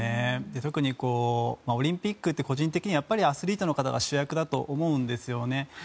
特にオリンピックって個人的にはアスリートの方が主役だと思うんですよね。